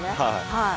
はい。